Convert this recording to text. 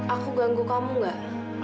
aku ganggu kamu gak